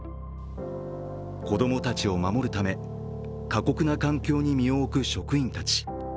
子供たちを守るため過酷な環境に身を置く職員たち。